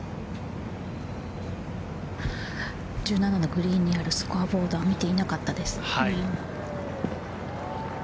１７のグリーンにあるスコアボードは見ていなかったです。